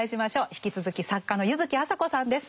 引き続き作家の柚木麻子さんです。